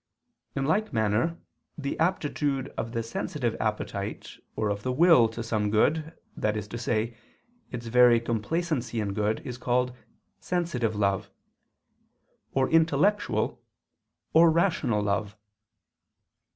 In like manner the aptitude of the sensitive appetite or of the will to some good, that is to say, its very complacency in good is called "sensitive love," or "intellectual" or "rational love."